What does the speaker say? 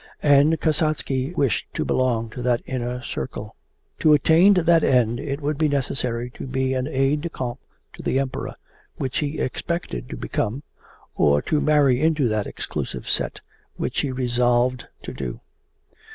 And Kasatsky wished to belong to that inner circle. To attain that end it would be necessary to be an aide de camp to the Emperor which he expected to become or to marry into that exclusive set, which he resolved to do.